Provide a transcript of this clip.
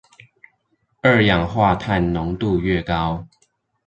二氧化碳濃度愈高